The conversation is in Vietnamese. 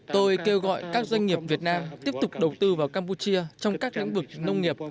tôi kêu gọi các doanh nghiệp việt nam tiếp tục đầu tư vào campuchia trong các lĩnh vực nông nghiệp